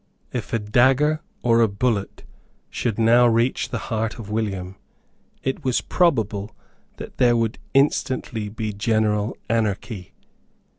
If a dagger or a bullet should now reach the heart of William, it was probable that there would instantly be general anarchy.